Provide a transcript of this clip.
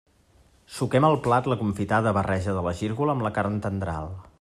Suquem al plat la confitada barreja de la gírgola amb la carn tendral.